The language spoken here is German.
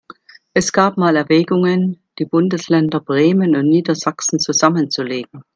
Es gab mal Erwägungen, die Bundesländer Bremen und Niedersachsen zusammenzulegen.